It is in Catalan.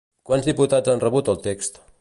Quants diputats han rebut el text?